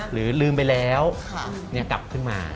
หรือลืมไปแล้วกลับขึ้นมา